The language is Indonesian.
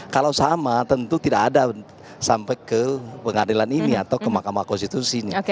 kalau sama tentu tidak ada sampai ke pengadilan ini atau ke mahkamah konstitusi